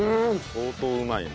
相当うまいね。